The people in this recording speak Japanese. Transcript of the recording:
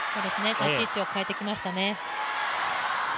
立ち位置を変えてきましたね。